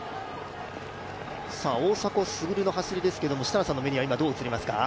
大迫傑の走りですけれども、設楽さんの目にはどう映りますか？